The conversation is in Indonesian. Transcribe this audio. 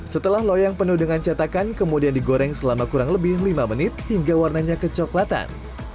setelah loyang penuh dengan cetakan kemudian digoreng selama kurang lebih lima menit hingga warnanya kecoklatan